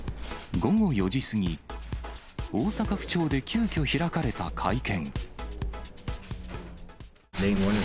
午後４時過ぎ、大阪府庁で急きょ開かれた会見。